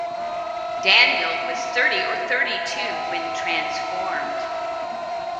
Daniel was thirty or thirty-two when transformed.